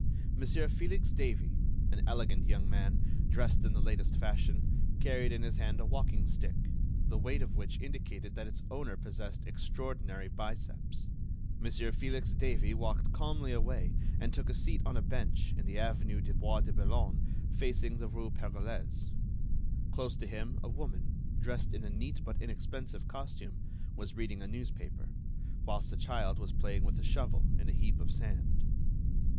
Mon. Felix Davey, an elegant young man, dressed in the latest fashion, carried in his hand a walking stick, the weight of which indicated that its owner possessed extraordinary biceps—Mon. Felix Davey walked calmly away and took a seat on a bench in the avenue du Bois de Boulogne facing the rue Pergolese. Close to him a woman, dressed in a neat but inexpensive costume, was reading a newspaper, whilst a child was playing with a shovel in a heap of sand.